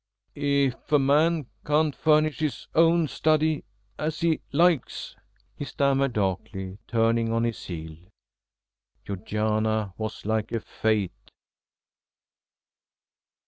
"If a man can't furnish his own study as he likes " he stammered darkly, turning on his heel. Georgiana was like a fate.